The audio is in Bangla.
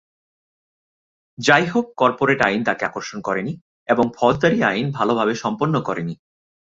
যাইহোক, কর্পোরেট আইন তাকে আকর্ষণ করেনি, এবং ফৌজদারি আইন ভালভাবে সম্পন্ন করেননি।